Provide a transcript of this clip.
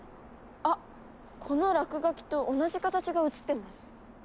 あっこの落書きと同じ形が映ってます。